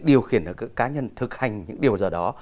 điều khiển được các cá nhân thực hành những điều giờ đó